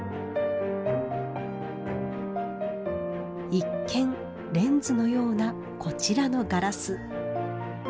一見レンズのようなこちらのガラス。